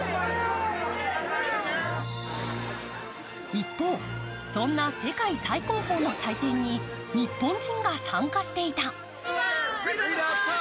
一方、そんな世界最高峰の祭典に日本人が参加していた。